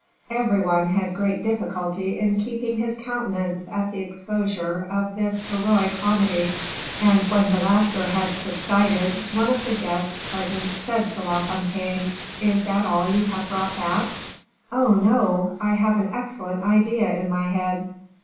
Every one had great difficulty in keeping his countenance at the exposure of this heroi comedy, and when the laughter had subsided, one of the guests present said to La Fontaine: "Is that all you have brought back?" "Oh, no! I have an excellent idea in my head."